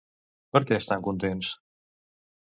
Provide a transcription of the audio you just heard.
Per què estan contents?